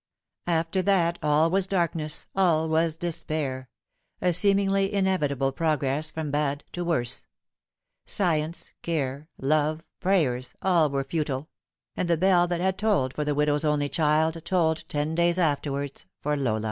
After that all was darkness, all was despair a seemingly inevitable progress from bad to worse. Science, care, love, prayers all were futile ; and the bell that had tolled for the widow's only child tolled ten days afterwards for Lola.